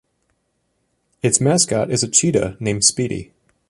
Its mascot is a cheetah named Speedy.